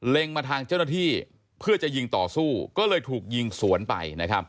มาทางเจ้าหน้าที่เพื่อจะยิงต่อสู้ก็เลยถูกยิงสวนไป